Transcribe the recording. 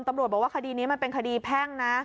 ตำรวจบอกว่าคดีนี้มันเป็นคดีแพ่งนะ